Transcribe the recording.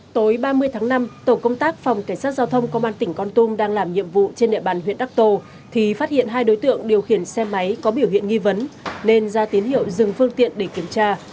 tối ba mươi tháng năm tổ công tác phòng cảnh sát giao thông công an tỉnh con tum đang làm nhiệm vụ trên địa bàn huyện đắc tô thì phát hiện hai đối tượng điều khiển xe máy có biểu hiện nghi vấn nên ra tín hiệu dừng phương tiện để kiểm tra